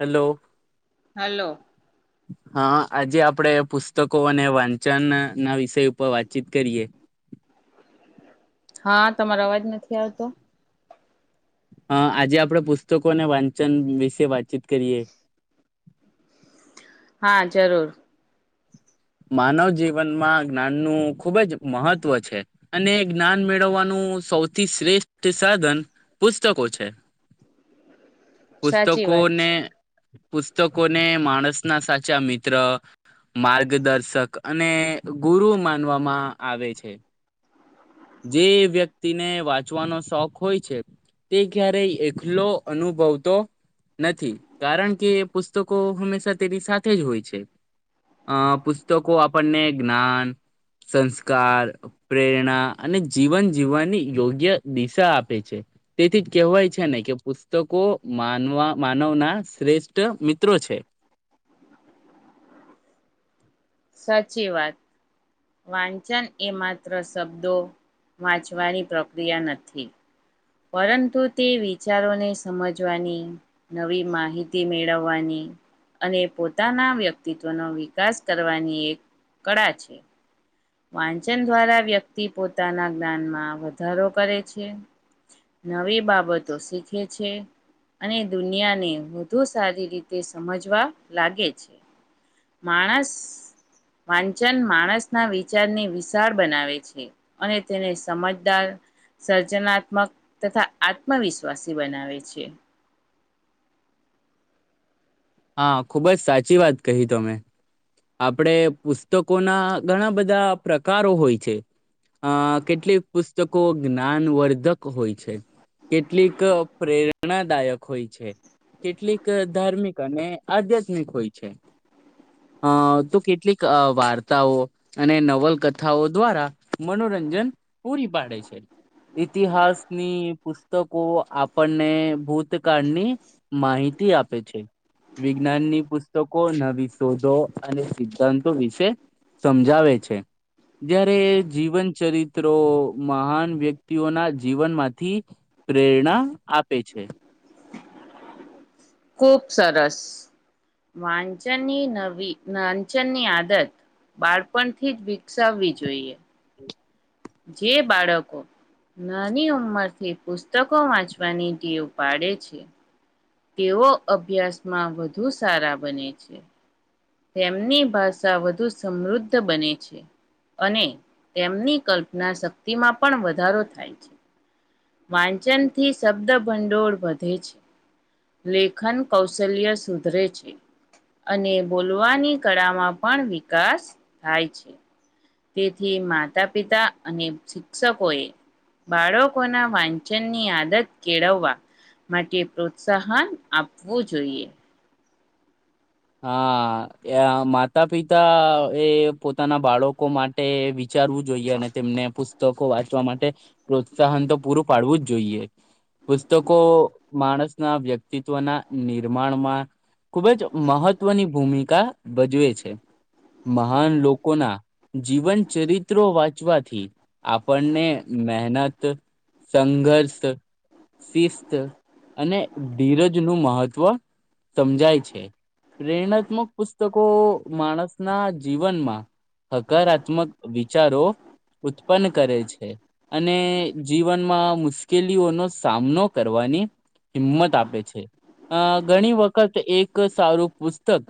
Hello hello હા આજે આપણેે પુસ્તકો અને વાંચન ના વિષય ઉપર વાતચીત કરીએ હા તમારો અવાજ નથી આવતો અ આજે આપણે પુસ્તકો અને વાંચન વિશે વાતચીત કરીએ હા જરૂર માનવ જીવનમાં જ્ઞાનનું ખૂબ જ મહત્વ છે અને જ્ઞાન મેળવવાનું સૌથી શ્રેષ્ઠ સાધન પુસ્તકો છે સાચી પુસ્તકો વાત ને છે પુસ્તકોને માણસ ના સાચા મિત્ર માર્ગ દિગ દર્શક અને ગુરુ માનવામાં આવે છે જે વ્યક્તિને વાંચવાનો શોખ હોય છે તે ક્યારેય એકલો અનુભવતો નથી કારણ કે પુસ્તકો હંમેશા તેની સાથે જ હોય છે અ પુસ્તકો આપણને જ્ઞાન સંસ્કાર પ્રેરણા અને જીવન જીવવાની યોગ્ય દિશા આપે છે તેથી જ કહેવાય છે ને કે પુસ્તકો માનવા માનવના શ્રેષ્ઠ મિત્રો છે સાચી વાત વાંચન એ માત્ર શબ્દો વાંચવાની પ્રક્રિયા નથી પરંતુ તે વિચારોને સમજવાની નવી માહિતી મેળવવાની અને પોતાના વ્યક્તિત્વનો વિકાસ કરવાની એક કળા છે વાંચન દ્વારા વ્યક્તિ પોતાના જ્ઞાનમાં વધારો કરે છે નવી બાબતો શીખે છે અને દુનિયાને વધુ સારી રીતે સમજવા લાગે છે માણસ વાંચન માણસના વિ વિચારને વિશાળ બનાવે છે અને તેને સમજદાર સર્જનાત્મક તથા આત્મવિશ્વાસી બનાવે છે હા ખુબ જ સાચી વાત કહી તમે આપડે પુસ્તકોના ઘણા બધા પ્રકારો હોય છે અ કેટલીક પુસ્તકો જ્ઞાનવર્ધક હોય છે કેટલીક પ્રેરણાદાયક હોય છે કેટલીક ધાર્મિક અને આધ્યાત્મિક હોય છે અ તો કેટલીક વાર્તાઓ અને નવલકથાઓ દ્વારા મનોરંજન પૂરી પાડે છે ઈતિહાસની પુસ્તકો આપણને ભૂતકાળની માહિતી આપે છે વિજ્ઞાનની પુસ્તકો નવી શોધો અને સિદ્ધાંતો વિશે સમજાવે છે જ્યારે જીવન ચરિત્રો મહાન વ્યક્તિઓના જીવનમાંથી પ્રેરણા આપે છે ખુબ સરસ વાંચનની નવી વાંચનની આદત બાળપણથી જ વિકસાવવી જોઈએ હ જે બાળકો નાની ઉંમરથી પુસ્તકો વાંચવાની ીવ પાડે છે તેઓ અભ્યાસમાં વધુ સારા બને છે તેમની ભાષા વધુ સમૃદ્ધ બને છે અને તેમની કલ્પના શક્તિમાં પણ વધારો થાય છે વાંચન થી શબ્દ ભંડોળ વધે છે લેખન કૌશલ્ય સુધરે છે અને બોલવાની કળામાં પણ વિકાસ થાય છે તેથી માતા પિતા અને શિક્ષકોએ બાળકોના વાંચનની આદત કેળવવા માટે પ્રોત્સાહન આપવું જોઈએ હા માતા પિતા એ પોતાના બાળકો માટે વિચારવું જોઈએ અને તેમને પુસ્તકો વાંચવા માટે પ્રોત્સાહન તો પૂરું પાડવું જ જોઈએ પુસ્તકો માણસના વ્યક્તિત્વના નિર્માણમાં ખુબ જ મહત્વની ભૂમિકા ભજવે છે મહાન લોકોના જીવન ચરિત્રો વાંચવાથી આપણને મહેનત સંઘર્ષ શિસ્ત અને ધીરજ નું મહત્વ સમજાય છે પ્રેરણાત્મક પુસ્તકો માણસના જીવનમાં હકારાત્મક વિચારો ઉત્પન્ન કરે છે અને જીવનમાં મુશ્કેલીઓનો સામનો કરવાની હિંમત આપે છે અ ઘણી વખત એક સારું પુસ્તક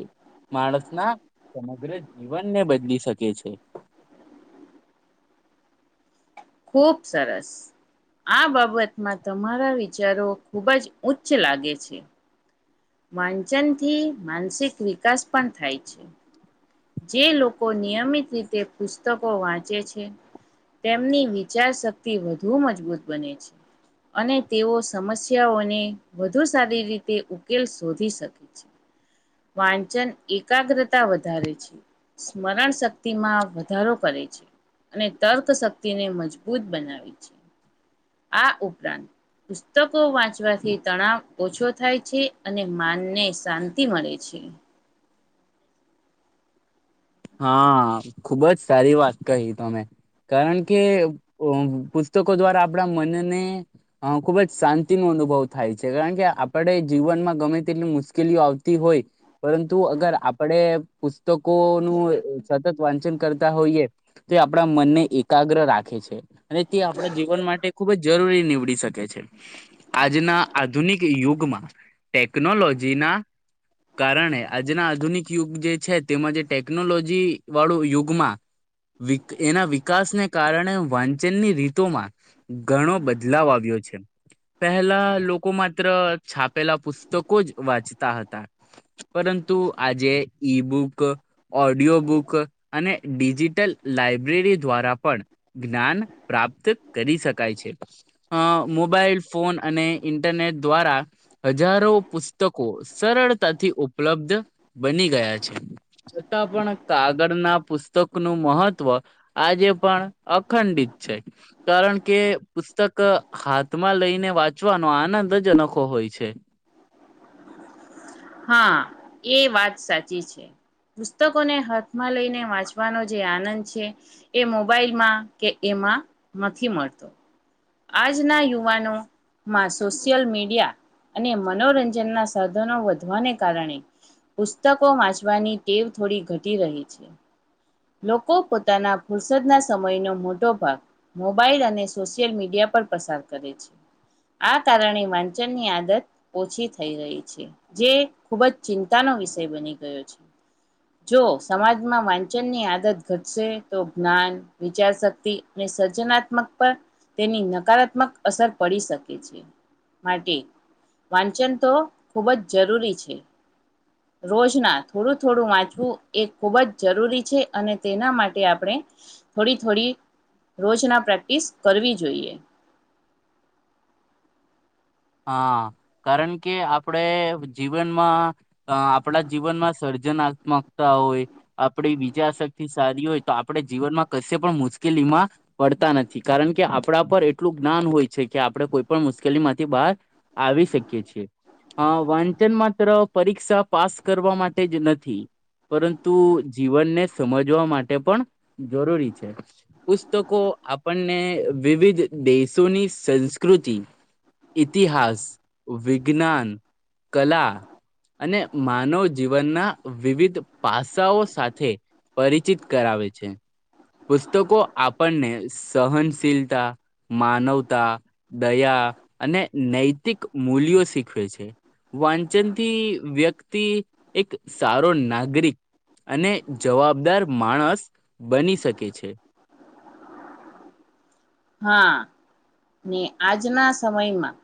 માણસના સમગ્ર જીવનને બદલી શકે છે ખૂબ સરસ આ બાબતમાં તમારા વિચારો ખૂબ જ ઉચ્ચ લાગે છે વાંચનથી માનસિક વિકાસ પણ થાય છે જે લોકો નિયમિત રીતે પુસ્તકો વાંચે છે. તેમની વિચાર શક્તિ વધુ મજબૂત બને છે અને તેઓ સમસ્યાઓને વધુ સારી રીતે ઉકેલ શોધી શકે છે. વાંચન એકાગ્રતા વધારે સ્મરણ શક્તિમાં વધારો કરે છે અને તર્ક શક્તિને મજબૂત બનાવે છે. આ ઉપરાંત પુસ્તકો વાંચવાથી તણાવ ઓછો થાય છે અને માનને શાંતિ મળે છે. હા, ખુબજ સારી વાત કહી તમે. કારણ કે પુસ્તકો દ્વારા આપણા મનને અ ખુબ જ શાંતિ નો અનુભવ થાય છે. કારણ કે આપણે જીવનમાં ગમે તેટલી મુશ્કેલીઓ આવતી હોય પરંતુ અગર આપણે પુસ્તકો સતત વાંચન કરતા હોઈએ. તો આપણા મનને એકાગ્ર રાખે છે અને તે આપણા જીવન માટે ખુબ જ જરૂરી નીવડી શકે છે. આજના આધુનિક યુગમાં ટેકનોલોજી ના કારણે આજના આધુનિક યુગ જે છે તેમાં જે ટેકનોલોજી વાળું યુગમાં વિ એના વિકાસને કારણે વાંચનની રીતોમાં ઘણો બદલાવ આવ્યો છે. પહેલા લોકો માત્ર છાપેલા પુસ્તકો જ વાંચતા હતા. પરંતુ આજે ઈબુક ઓડિયો બુક અને ડિજિટલ લાયબ્રેરી દ્વારા પણ જ્ઞાન પ્રાપ્ત કરી શકાય છે. અ મોબાઈલ ફોન અને ઇન્ટરનેટ દ્વારા હજારો પુસ્તકો સરળતાથી ઉપલબ્ધ બની ગયા છે. છતાં પણ કાગળના પુસ્તકનું મહત્વ આજે પણ અખંડિત છે. કારણ કે પુસ્તક હાથમાં લઈને વાંચવાનો આનંદ જ અનોખો હોય છે. હા એ વાત સાચી છે. પુસ્તકોને હાથમાં લઈને વાંચવાનો જે આનંદ છે એ મોબાઈલમાં કે એમાં નથી મળતો. આજના યુવાનોમાં સોશિયલ મીડિયા અને મનોરંજનના સાધનો વધવાને કારણે પુસ્તકો વાંચવાની ટેવ થોડી ઘટી રહી છે. લોકો પોતાના ફુરસદના સમયનો મોટો ભાગ મોબાઈલ અને સોશિયલ મીડિયા પર પસાર કરે છે. આ કારણે વાંચન ની આદત ઓછી થઈ રહી છે. જે ખૂબ જ ચિંતાનો વિષય બની ગયો છે. જો સમાજમાં વા ચન ની આદત ઘટશે તો જ્ઞાન, વિચાર શક્તિ અને સર્જનાત્મક પર તેની નકારાત્મક અસર પડી શકે છે. માટે વાંચન તો ખૂબ જ જરૂરી છે, રોજના થોડું થોડું વાંચવું એ ખૂબ જ જરૂરી છે અને તેના માટે આપણે થોડી થોડી રોજના પ્રેક્ટિસ કરવી જોઈએ. હા, કારણ કે આપણે જીવનમાં આપણા જીવનમાં સર્જનાત્મકતા હોય આપડી બીજાશક્તિ સારી હોય તો આપણે જીવનમાં કશે પણ મુશ્કેલીમાં પડતા નથી. કારણ કે આપણા પર એટલું જ્ઞાન હોય છે કે આપણે કોઈ પણ મુશ્કેલી માંથી બહાર આવી શકીએ છીએ. અ વાંચન માત્ર પરીક્ષા પાસ કરવા માટે જ નથી પરંતુ જીવનને સમજવા માટે પણ જરૂરી છે. પુસ્તકો આપણને વિવિધ દેશોની સંસ્કૃતિ ઇતિહાસ, વિજ્ઞાન કલા અને માનવ જીવનના વિવિધ પાસાઓ સાથે પરિચિત કરાવે છે. પુસ્તકો આપણને સહનશીલતા, માનવતા, દયા અને નૈતિક મૂલ્યો શીખવે છે. વાંચનથી વ્યક્તિ એક સારો નાગરિક અને જવાબદાર માણસ બની શકે છે. હા, ને આજના સમયમાં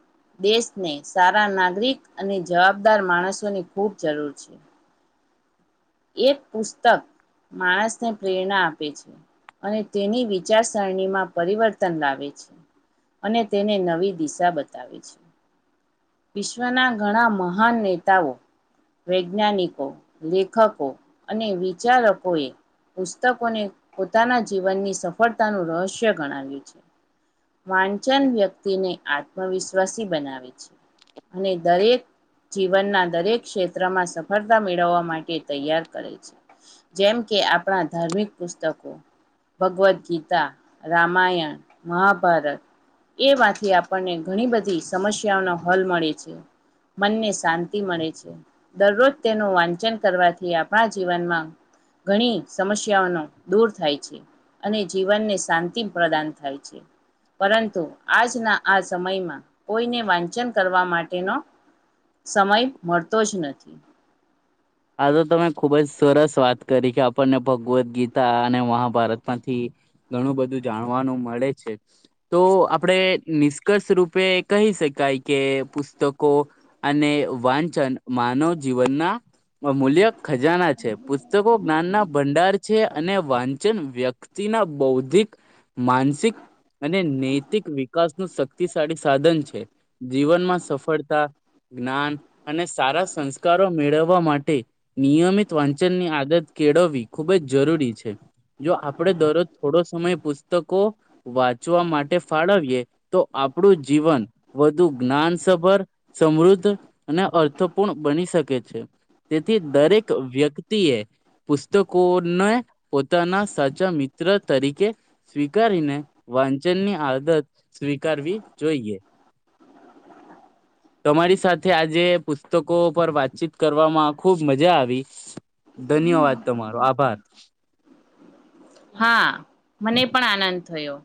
દેશને સારા નાગરિક અને જવાબદાર માણસોની ખૂબ જરૂર છે. એક પુસ્તક માણસને પ્રેરણા આપે છે અને તેની વિચારસરણીમાં પરિવર્તન લાવે છે અને તેને નવી દિશા બતાવે છે. વિશ્વના ઘણા મહાન નેતાઓ, વૈજ્ઞાનિકો લેખકો અને વિચારકો એ પુસ્તકોને પોતાના જીવનની સફળતાનું રહસ્ય ગણાવ્યું છે. વાનચન વ્યક્તિને આત્મવિશ્વાસી બનાવે છે અને દરેક જીવનના દરેક ક્ષેત્રમાં સફળતા મેળવવા માટે તૈયાર કરે છે. જેમ કે આપણા ધાર્મિક પુસ્તકો ભગવદ ગીતા, રામાયણ, મહાભારત એમાંથી આપણને ઘણી બધી સમસ્યાઓનો હલ મળે છે, મનને શાંતિ મળે છે, દરરોજ તેનું વાંચન કરવા થી આપણા જીવનમાં ઘણી સમસ્યાઓનો દૂર થાય છે અને જીવનને શાંતિ પ્રદાન થાય છે. પરંતુ આજના આ સમયમાં કોઈને વાંચન કરવા માટેનો સમય મળતો જ નથી. આ તો તમે ખુબ જ સરસ વાત કરી કે આપણને ભગવદ્ ગીતા અને મહાભારત માંથી ઘણું બધું જાણવાનું મળે છે. તો આપણેે નિષ્કર્ષ રૂપે કહી શકાય કે પુસ્તકો અને વાંચન માનવ જીવન ના મ મૂલ્ય ખજાના છે. પુસ્તકો જ્ઞાનના ભંડાર છે અને વા ચન વ્યક્તિના બૌદ્ધિક, માનસિક અને નૈતિક વિકાસ નું શક્તિશાળી સાધન છે. જીવનમાં સફળતા, જ્ઞાન અને સારા સંસ્કારો મેળવવા માટે માટે નિયમિત વાંચનની આદત કેળવવી ખૂબ જ જરૂરી છે. જો આપણે દરરોજ થોડો સમય પુસ્તકો વાંચવા માટે ફાળવીએ તો આપણું જીવન વધુ જ્ઞાનસભર, સમૃદ્ધ અને અર્થપૂર્ણ બની શકે છે. તેથી દરેક વ્યક્ તી એ પુસ્તકોને પોતાના સાચા મિત્ર તરીકે સ્વીકારીને વાંચનની આદત સ્વીકારવી જોઈએ. તમારી સાથે આજે પુસ્તકો પર વાતચીત કરવામાં ખુબ મજા આવી. ધન્યવાદ તમારો, આભાર. હા મને પણ આનંદ થયો.